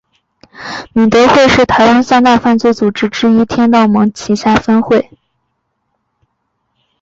敏德会是台湾三大犯罪组织之一天道盟旗下分会。